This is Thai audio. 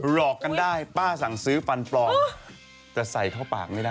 หลอกกันได้ป้าสั่งซื้อฟันปลอมแต่ใส่เข้าปากไม่ได้